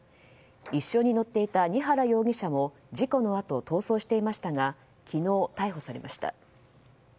一緒に乗っていた丹原容疑者も事故のあと逃走していましたが昨日、逮捕されました。